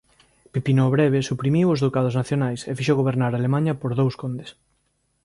Pipino o Breve suprimiu os ducados nacionais e fixo gobernar Alemaña por dous condes.